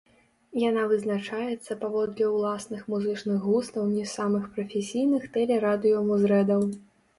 Яна вызначаецца паводле ўласных музычных густаў не самых прафесійных тэле-радыё музрэдаў.